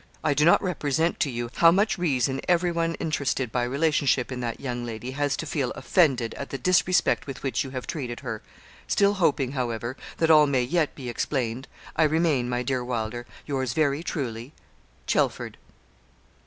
I do not represent to you how much reason everyone interested by relationship in that young lady has to feel offended at the disrespect with which you have treated her. Still hoping, however, that all may yet be explained, 'I remain, my dear Wylder, yours very truly, 'CHELFORD.'